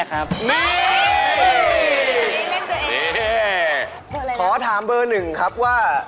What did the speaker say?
ขอถามเบอร์หนึ่งครับว่า